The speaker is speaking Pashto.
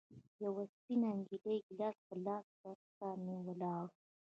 يوه سپينه نجلۍ ګيلاس په لاس سر ته مې ولاړه وه.